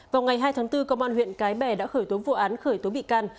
vào ngày hai tháng bốn công an huyện cái bè đã khởi tố vụ án khởi tố bị can